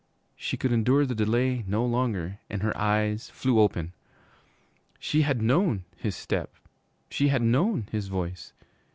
She could endure the delay no longer, and her eyes flew open. She had known his step; she had known his voice.